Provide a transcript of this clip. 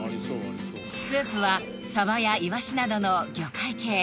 スープはサバやイワシなどの魚介系